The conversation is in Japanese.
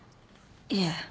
いえ。